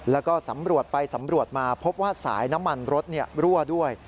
แล้วก็สำรวจไปสำรวจมาพบว่าสายน้ำมันรถรั่วด้วย